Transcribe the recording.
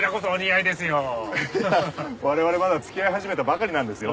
いや我々まだ付き合い始めたばかりなんですよ。